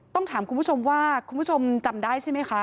ต้องถามคุณผู้ชมว่าคุณผู้ชมจำได้ใช่ไหมคะ